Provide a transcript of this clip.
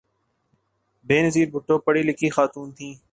بینظیر بھٹو پڑھی لکھی خاتون تھیں۔